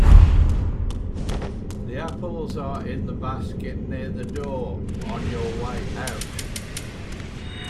The apples are in the basket near the door on your way out.